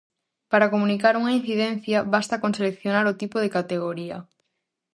Para comunicar unha incidencia, basta con seleccionar o tipo de categoría.